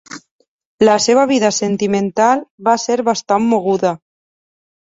La seva vida sentimental va ser bastant moguda.